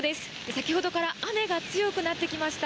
先ほどから雨が強くなってきました。